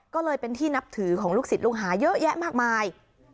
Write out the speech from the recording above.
ก็เลยเป็นที่นับถือของลูกศิษย์ลูกหาเยอะแยะมากมาย